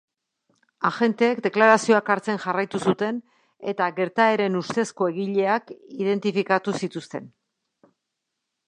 Agenteek deklarazioak hartzen jarraitu zuten eta gertaeren ustezko egileak identifikatu zituzten.